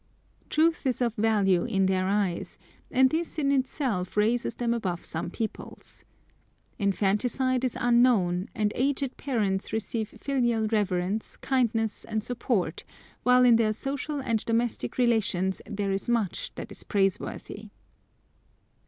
Truth is of value in their eyes, and this in itself raises them above some peoples. Infanticide is unknown, and aged parents receive filial reverence, kindness, and support, while in their social and domestic relations there is much that is praiseworthy.